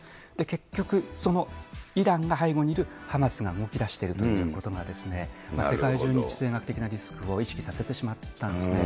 結局、そのイランが背後にいるハマスが動きだしているということが、世界中の地政学的なリスクを意識させてしまったんですね。